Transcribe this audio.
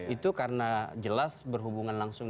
itu karena jelas berhubungan langsung